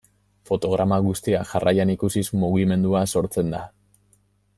Fotograma guztiak jarraian ikusiz, mugimendua sortzen da.